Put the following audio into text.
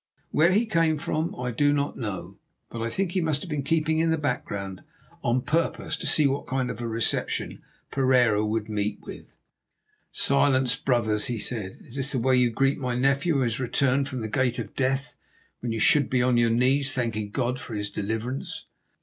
Where he came from I do not know, but I think he must have been keeping in the background on purpose to see what kind of a reception Pereira would meet with. "Silence, brothers," he said. "Is this the way you greet my nephew, who has returned from the gate of death, when you should be on your knees thanking God for his deliverance?"